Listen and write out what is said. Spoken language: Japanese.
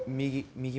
右？